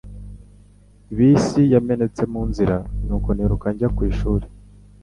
Bisi yamenetse mu nzira nuko niruka njya ku ishuri